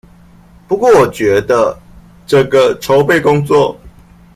不過我覺得，整個籌備工作